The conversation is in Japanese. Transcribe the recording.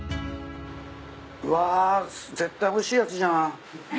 うわ絶対おいしいやつじゃん。